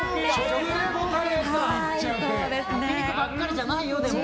食リポばかりじゃないよ、でも。